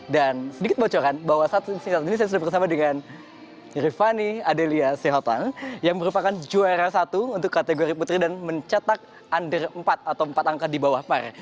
dan sedikit bocoran bahwa saat ini saya sudah bersama dengan rifani adelia sehotang yang merupakan juara satu untuk kategori putri dan mencetak under empat atau empat angka di bawah par